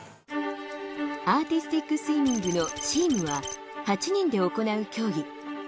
アーティスティックスイミングのチームは８人で行う競技。